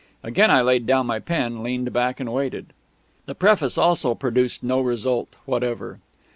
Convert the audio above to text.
Again I laid down my pen, leaned back, and waited. The Preface also produced no result whatever.